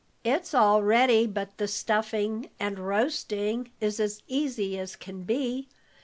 "It's all ready but the stuffing, and roasting is as easy as can be.